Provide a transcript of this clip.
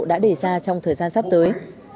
đã để ra trong thời gian sắp tới